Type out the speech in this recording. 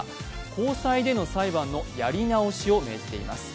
高裁での裁判のやり直しを命じています。